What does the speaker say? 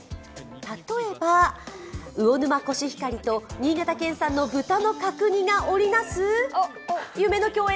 例えば魚沼コシヒカリと新潟県産の豚の角煮が織り成す夢の共演、